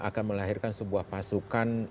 akan melahirkan sebuah pasukan